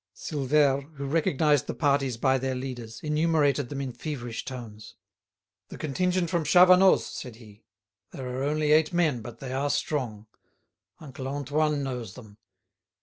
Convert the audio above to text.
Silvère, who recognised the parties by their leaders, enumerated them in feverish tones. "The contingent from Chavanoz!" said he. "There are only eight men, but they are strong; Uncle Antoine knows them.